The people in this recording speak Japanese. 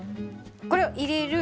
これ入れる。